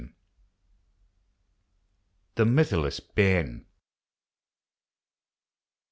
THE MITHERLESS BAIRN.